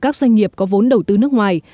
các doanh nghiệp có vốn đầu tư nước ngoài